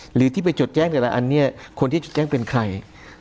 หรือที่ไปจดแจ้งแต่ละอันเนี่ยคนที่จดแจ้งเป็นใคร